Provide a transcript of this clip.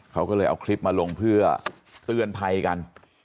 เขาก็เลยเอาคลิปมาลงเพื่อเตือนภัยกัน